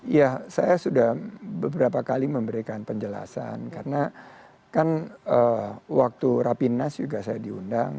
ya saya sudah beberapa kali memberikan penjelasan karena kan waktu rapi nas juga saya diundang